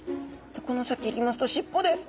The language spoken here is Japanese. この先いきますとしっぽです。